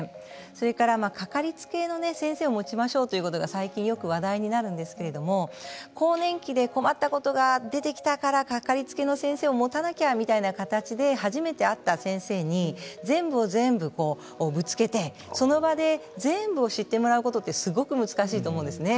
それから掛かりつけの先生を持ちましょうということが最近よく話題になるんですけれども更年期で困ったことが出てきたから掛かりつけの先生を持たなきゃみたいな形で初めて会った先生に全部を全部ぶつけてその場で全部を知ってもらうことは、すごく難しいと思うんですね。